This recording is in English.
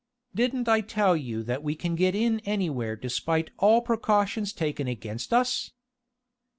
Didn't I tell you that we can get in anywhere despite all precautions taken against us!'"